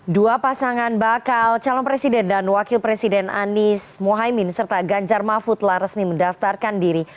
dua pasangan bakal calon presiden dan wakil presiden anies mohaimin serta ganjar mahfud telah resmi mendaftarkan diri